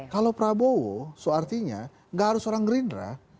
kalau prabowo seartinya gak harus orang gerindra